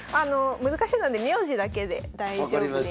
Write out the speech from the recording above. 難しいので名字だけで大丈夫です。